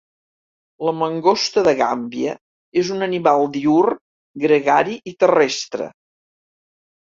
La mangosta de Gàmbia és un animal diürn, gregari i terrestre.